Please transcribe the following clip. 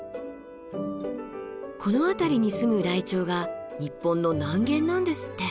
この辺りに住むライチョウが日本の南限なんですって。